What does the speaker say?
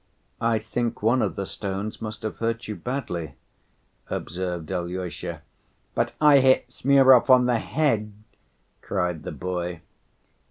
"I think one of the stones must have hurt you badly," observed Alyosha. "But I hit Smurov on the head!" cried the boy.